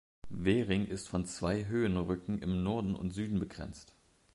Währing ist von zwei Höhenrücken im Norden und Süden begrenzt.